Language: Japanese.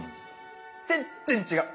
全然違う。